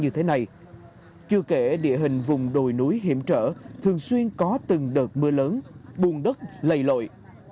như thế này chưa kể địa hình vùng đồi núi hiểm trở thường xuyên có từng đợt mưa lớn buồn đất lầy lội